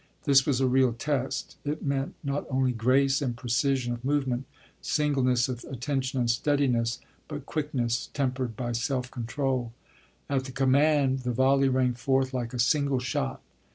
This was a real test; it meant not only grace and precision of movement, singleness of attention and steadiness, but quickness tempered by self control. At the command the volley rang forth like a single shot.